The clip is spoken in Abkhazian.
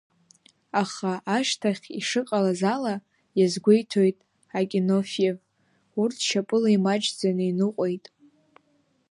Аха, ашьҭахь ишыҟалаз ала, иазгәеиҭоит Акинофиев, урҭ шьапыла имаҷӡаны иныҟәеит.